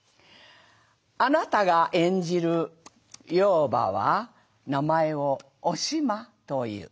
あなたが演じる妖婆は名前をお島という。